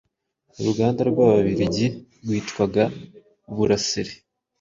Uruganda rw’Ababirigi rwitwaga Buraserie